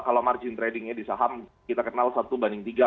kalau margin tradingnya di saham kita kenal satu banding tiga